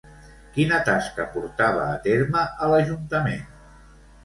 Quina tasca portava a terme a l'Ajuntament?